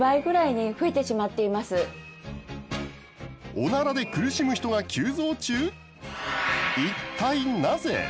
オナラで苦しむ人が急増中？